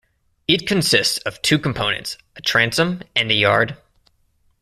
It consists of two components, a transom and a yard.